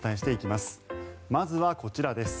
まずはこちらです。